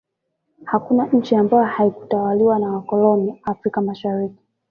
hakuna nchi ambayo haikutawaliwa na wakoloni afrika mashariki